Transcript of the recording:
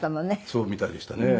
そうみたいでしたね。